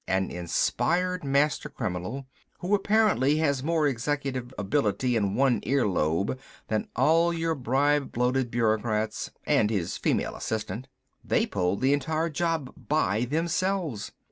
An inspired master criminal who apparently has more executive ability in one ear lobe than all your bribe bloated bureaucrats and his female assistant. They pulled the entire job by themselves.